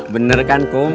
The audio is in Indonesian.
bener kan kum